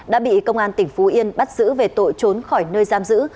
đã bị công an tỉnh phú yên bắt giữ về tội trốn khỏi nơi giam giữ